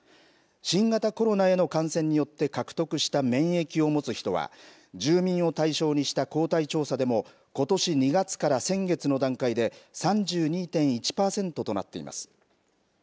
新型コロナへの感染によって獲得した免疫を持つ人は住民を対象にした抗体調査でもことし２月から先月の段階で３２．１パーセントとなっています。